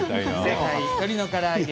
正解鶏のから揚げ。